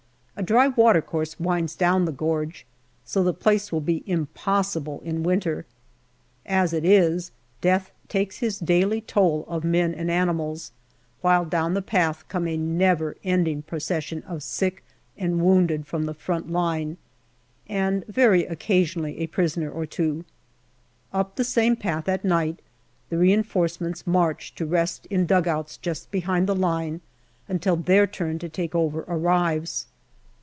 A dry watercourse winds down the gorge, so the place will be impossible in winter ; as it is, Death takes his daily toll of men and animals, while down the path comes a never ending procession of sick and wounded from the front line, and very occasionally a prisoner or two. Up the same path, at night, the reinforcements march to rest in dugouts just behind the line until their turn to take over arrives.